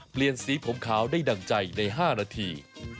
เปลี่ยนสีผมขาวได้ดั่งใจใน๕นาที